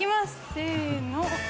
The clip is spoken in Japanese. せの！